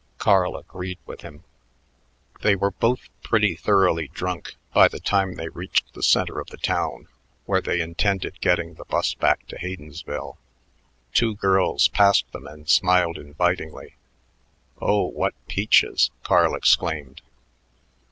Carl agreed with him. They were both pretty thoroughly drunk by the time they reached the center of the town, where they intended getting the bus back to Haydensville. Two girls passed them and smiled invitingly. "Oh, what peaches," Carl exclaimed.